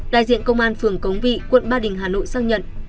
đại diện công an phường cống vị quận ba đình hà nội xác nhận